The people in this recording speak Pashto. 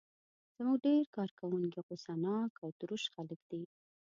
زموږ ډېر کارکوونکي غوسه ناک او تروش خلک دي.